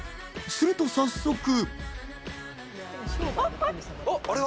すると早速。